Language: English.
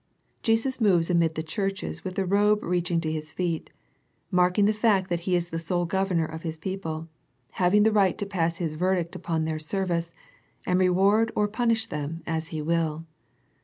Jesus moves amid the churches with the robe reaching to His feet, marking the fact that He is the sole Governor of His people, having the right to pass His verdict upon their service, and reward or punish them as He will.